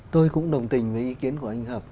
tôi cũng đồng tình với ý kiến của anh hợp